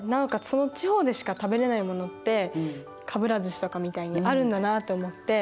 その地方でしか食べれないものってかぶら寿司とかみたいにあるんだなって思って。